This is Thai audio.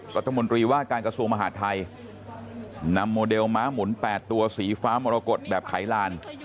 รัฐมนตรีว่าการกระทรวงมหาดไทยนำโมเดลม้าหมุน๘ตัวสีฟ้ามรกฏแบบไขลาน